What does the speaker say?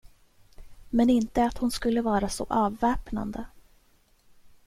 Men inte att hon skulle vara så avväpnande.